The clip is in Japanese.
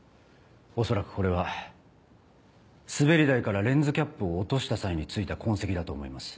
恐らくこれは滑り台からレンズキャップを落とした際についた痕跡だと思います。